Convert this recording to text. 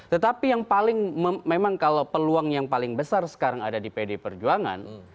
tetapi yang paling memang kalau peluang yang paling besar sekarang ada di pd perjuangan